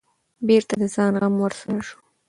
بېرته د ځان غم ورسره شو.